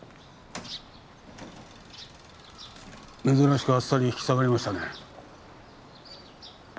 珍しくあっさり引き下がりましたね。